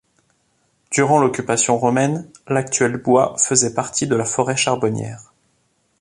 Durant l'occupation romaine, l'actuel bois faisait partie de la forêt charbonnière.